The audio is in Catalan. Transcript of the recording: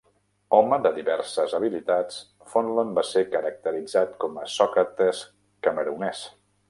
Home de diverses habilitats, Fonlon va ser caracteritzat com a Sòcrates camerunès.